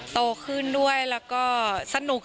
โตขึ้นด้วยแล้วก็สนุก